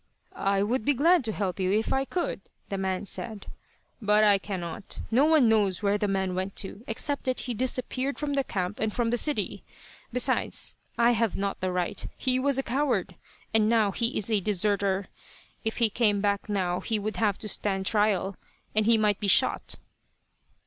"I would be glad to help you if I could," the man said, "but I cannot. No one knows where the man went to, except that he disappeared from the camp and from the city. Besides I have not the right. He was a coward, and now he is a deserter. If he came back now he would have to stand trial, and he might be shot."